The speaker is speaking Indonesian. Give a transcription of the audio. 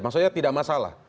maksudnya tidak masalah